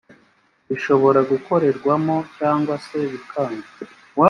bishobora gukorerwamo cyangwa se bikanga.